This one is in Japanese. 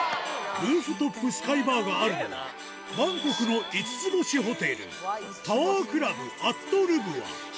ルーフトップスカイバーがあるのは、バンコクの５つ星ホテル、タワークラブアットルブア。